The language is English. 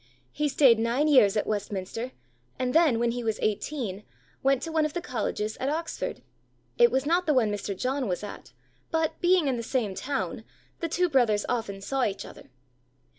He stayed nine years at Westminster, and then, when he was eighteen, went to one of the colleges at Oxford. It was not the one Mr. John was at, but, being in the same town, the two brothers often saw each other.